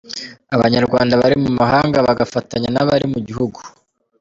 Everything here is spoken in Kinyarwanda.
Abanyarwanda bari mu mahanga bagafatanya n’abari mu gihugu.